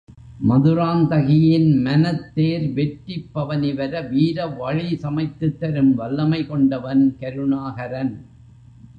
மதுராந்தகியின் மனத்தேர் வெற்றிப் பவனி வர வீரவழி சமைத்துத் தரும் வல்லமை கொண்டவன் கருணாகரன்.